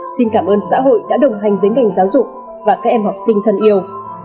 xin cảm ơn xã hội đã đồng hành với ngành giáo dục và các em học sinh thân yêu